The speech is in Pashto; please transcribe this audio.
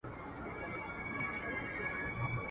د يوه يې سل لكۍ وې يو يې سر وو.